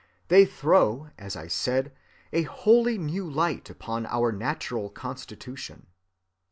They throw, as I said, a wholly new light upon our natural constitution.